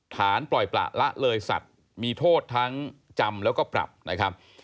ฐานปล่อยประละเลยสัตว์มีโทษทั้งจำแล้วก็ปรับนะครับ